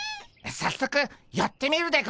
さっそくやってみるでゴンス。